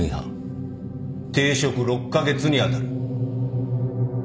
停職６カ月にあたる。